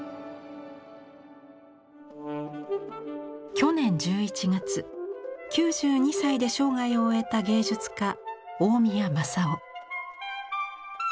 去年１１月９２歳で生涯を終えた芸術家大宮政郎。